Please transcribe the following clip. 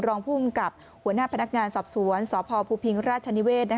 รองภูมิกับหัวหน้าพนักงานสอบสวนสพภูพิงราชนิเวศ